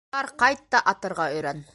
Бар, ҡайт та атырға өйрән!